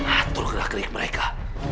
atur gerak gerik mereka